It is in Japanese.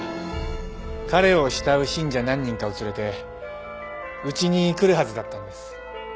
彼を慕う信者何人かを連れてうちに来るはずだったんです。